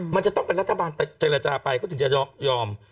มันจะต้องเป็นรัฐบาลเจรจาไปเขาถึงจะยอม